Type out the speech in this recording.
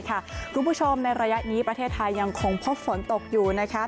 คุณผู้ชมในระยะนี้ประเทศไทยยังคงพบฝนตกอยู่นะคะ